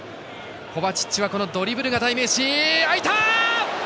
コバチッチはドリブルが代名詞。